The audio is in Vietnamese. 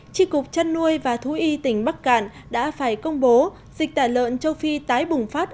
tri cục chăn nuôi và thú y tỉnh bắc cạn đã phải công bố dịch tả lợn châu phi tái bùng phát